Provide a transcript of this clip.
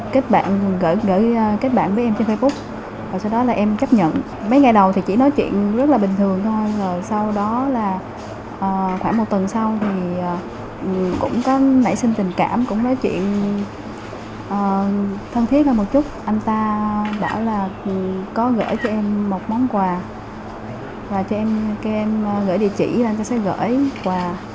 khi em gửi địa chỉ anh ta sẽ gửi quà